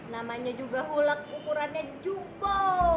namanya juga hulak ukurannya jumbo